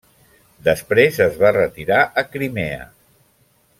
Després es va retirar a Crimea.